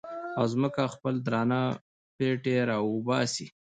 او ځمکه خپل درانه پېټي را وباسي